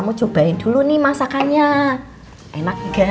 iya beneran enak